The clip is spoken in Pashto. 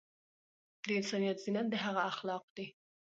د انسان زينت د هغه اخلاق دي